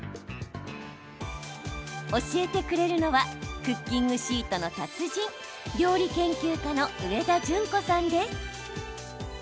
教えてくれるのはクッキングシートの達人料理研究家の上田淳子さんです。